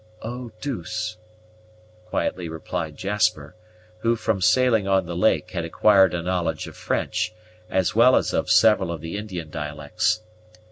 "Eau douce," quietly replied Jasper, who from sailing on the lake had acquired a knowledge of French, as well as of several of the Indian dialects.